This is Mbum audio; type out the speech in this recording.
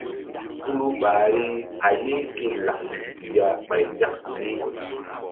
Kuru ɓahri a ye ke lak nzuk ya ɓay nzak ye.